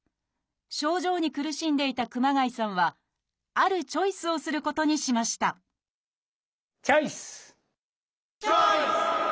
症状に苦しんでいた熊谷さんはあるチョイスをすることにしましたチョイス！